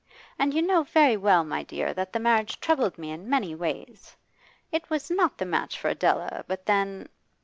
And you know very well, my dear, that the marriage troubled me in many ways. It was not the match for Adela, but then